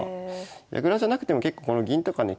矢倉じゃなくても結構この銀とかね